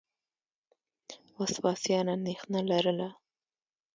وسپاسیان اندېښنه لرله.